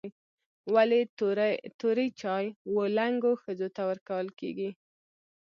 ولي توري چای و لنګو ښځو ته ورکول کیږي؟